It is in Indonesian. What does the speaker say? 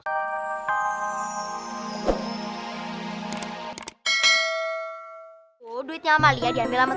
duitnya malia diambil